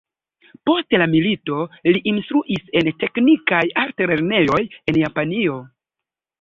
Post la milito li instruis en teknikaj alt-lernejoj en Japanio.